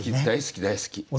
大好き大好き。